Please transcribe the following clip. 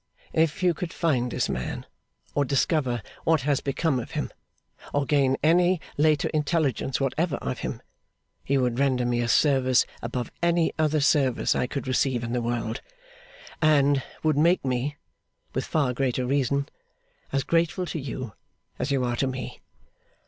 If you could find this man, or discover what has become of him, or gain any later intelligence whatever of him, you would render me a service above any other service I could receive in the world, and would make me (with far greater reason) as grateful to you as you are to me.